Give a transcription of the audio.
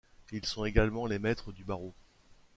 Ils sont également les maîtres du Barreau.